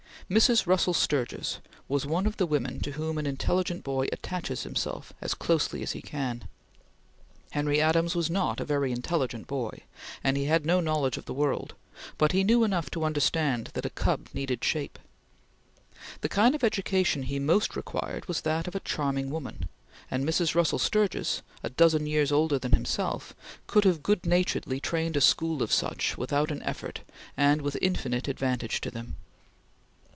Mrs. Russell Sturgis was one of the women to whom an intelligent boy attaches himself as closely as he can. Henry Adams was not a very intelligent boy, and he had no knowledge of the world, but he knew enough to understand that a cub needed shape. The kind of education he most required was that of a charming woman, and Mrs. Russell Sturgis, a dozen years older than himself, could have good naturedly trained a school of such, without an effort, and with infinite advantage to them.